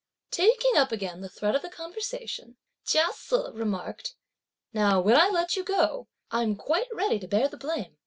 Taking up again the thread of the conversation, Chia Se remarked, "Now when I let you go, I'm quite ready to bear the blame!